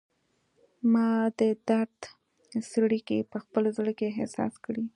ما د درد څړیکې په خپل زړه کې احساس کړي